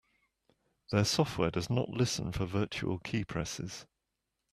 Their software does not listen for virtual keypresses.